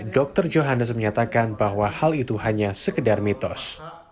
dr johannes menyatakan bahwa hal itu hanya sekedar mitos